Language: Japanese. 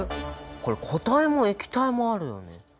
これ固体も液体もあるよね。